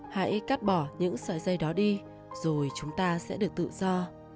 hãy cắt bỏ những sợi dây đó đi rồi chúng ta sẽ được tự do